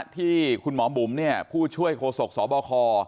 ที่คุณหมอบุ๋มผู้ช่วยโฆษกสบค